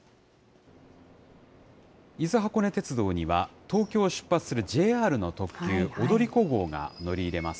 伊豆箱根鉄道には、東京を出発するＪＲの特急、踊り子号が乗り入れます。